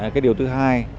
cái điều thứ hai